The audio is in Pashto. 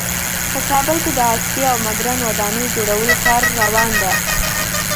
په کابل کې د عصري او مدرن ودانیو جوړولو کار روان ده